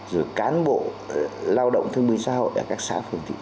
rồi cán bộ lao động thương bình xã hội ở các xã phường thị trấn